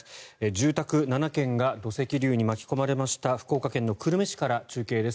住宅７軒が土石流に巻き込まれました福岡県久留米市から中継です。